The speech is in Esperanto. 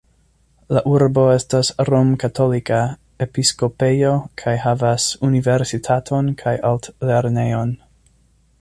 La urbo estas rom-katolika episkopejo kaj havas universitaton kaj altlernejon.